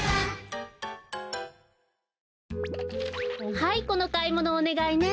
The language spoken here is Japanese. はいこのかいものおねがいね。